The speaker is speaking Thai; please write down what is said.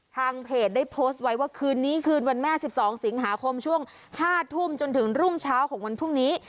ทางเพจได้โพสต์ไว้ว่าคืนนี้คืนวันแม่๑๒สิงหาคมช่วง๕ทุ่มจนถึงรุ่งเช้าของวันพรุ่งนี้